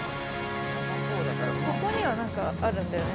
ここには何かあるんだよね。